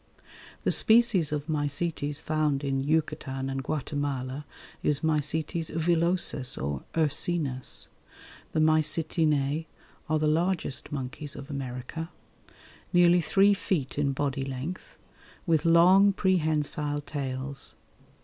The species of Mycetes found in Yucatan and Guatemala is M. villosus or ursinus. The Mycetinæ are the largest monkeys of America, nearly three feet in body length, with long prehensile tails.